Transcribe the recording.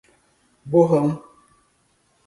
borrão